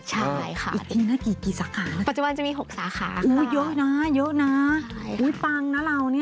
ใช่ค่ะอีกทีหน้ากี่สาขาปัจจุบันจะมีหกสาขาค่ะอุ้ยเยอะน่ะเยอะน่ะอุ้ยปังนะเราเนี้ย